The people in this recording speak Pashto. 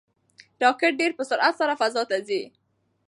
راکټ ډېر په سرعت سره فضا ته ځي.